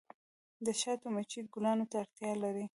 د شاتو مچۍ ګلانو ته اړتیا لري